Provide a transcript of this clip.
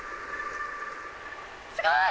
すごい！